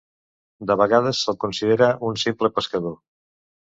De vegades se'l considera un simple pescador.